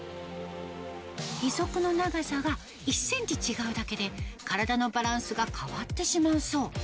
義足の長さは１センチ違うだけで、体のバランスが変わってしまうそう。